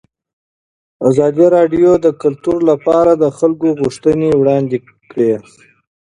ازادي راډیو د کلتور لپاره د خلکو غوښتنې وړاندې کړي.